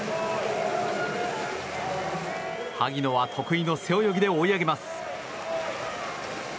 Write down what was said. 萩野は得意の背泳ぎで追い上げます。